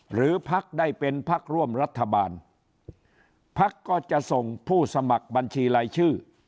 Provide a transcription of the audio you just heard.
หรือพักได้เป็นพักร่วมรัฐบาลพักก็จะส่งผู้สมัครบัญชีรายชื่อ